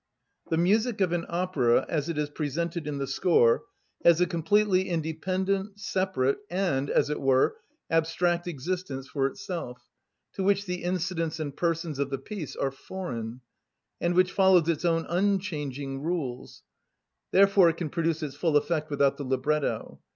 The music of an opera, as it is presented in the score, has a completely independent, separate, and, as it were, abstract existence for itself, to which the incidents and persons of the piece are foreign, and which follows its own unchanging rules; therefore it can produce its full effect without the libretto.